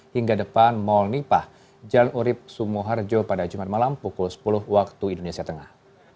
hingga depan mall nipah jalan urib sumoharjo pada jumat malam pukul sepuluh waktu indonesia tengah